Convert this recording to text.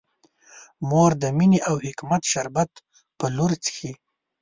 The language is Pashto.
مور د مینې او حکمت شربت په لور څښي.